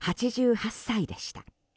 ８８歳でした。